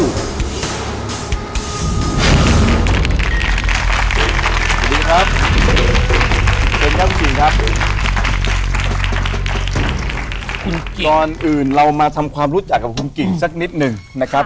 ตอนอื่นเรามาทำความรู้จักกับคุณกิ่งสักนิดนึงนะครับ